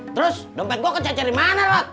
terus dompet gue kececer dimana lot